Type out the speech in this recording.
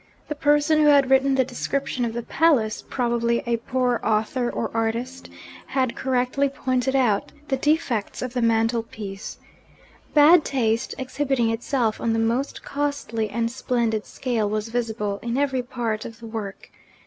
The person who had written the description of the palace probably a poor author or artist had correctly pointed out the defects of the mantel piece. Bad taste, exhibiting itself on the most costly and splendid scale, was visible in every part of the work.